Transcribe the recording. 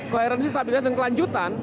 koherensi stabilitas dan kelanjutan